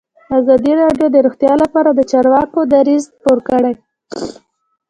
ازادي راډیو د روغتیا لپاره د چارواکو دریځ خپور کړی.